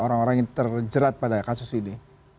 orang orang yang terjerat pada kasus ini